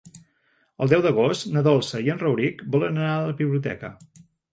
El deu d'agost na Dolça i en Rauric volen anar a la biblioteca.